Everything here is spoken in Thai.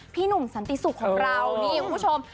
พี่หนุ่มสันติสุขของเรานี่คุณผู้ชม